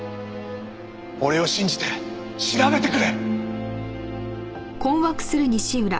俺を信じて調べてくれ！